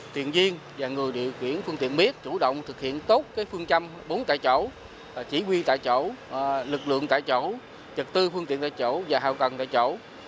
thuyền viên và người điều khiển phương tiện biết chủ động thực hiện tốt phương châm bốn tại chỗ chỉ huy tại chỗ lực lượng tại chỗ trực tư phương tiện tại chỗ và hào cần tại chỗ